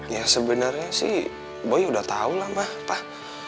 ya sebenarnya sih gue udah tau lah pak